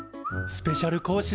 スペシャル講師